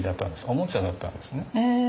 おもちゃだったんですね。